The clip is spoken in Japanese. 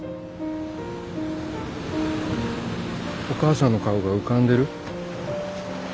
お母さんの顔が浮かんでる？